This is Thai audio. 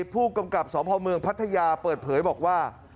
ผู้กำกับสพเมืองพัทยาเปิดเผยบอกว่า